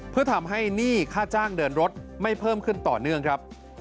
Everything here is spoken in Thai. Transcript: เพื่อทำให้หนี้ค่าจ้างเดินรถไม่เพิ่มขึ้นต่อเนื่องครับ